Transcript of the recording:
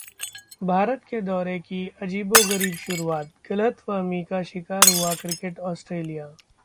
भारत के दौरे की अजीबोगरीब शुरुआत, गलतफहमी का शिकार हुआ क्रिकेट ऑस्ट्रेलिया